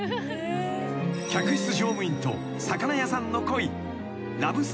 ［客室乗務員と魚屋さんの恋］